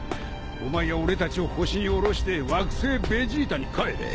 お前は俺たちを星に降ろして惑星ベジータに帰れ。